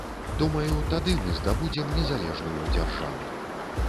Думаю, тады мы здабудзем незалежную дзяржаву.